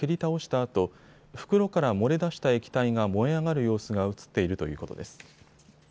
あと袋から漏れ出した液体が燃え上がる様子が写っているということです。